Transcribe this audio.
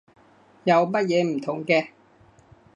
有乜嘢唔同嘅？